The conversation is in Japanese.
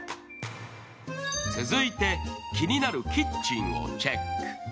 続いて気になるキッチンをチェック。